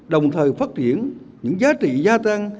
đồng thời phát triển những giá trị gia tăng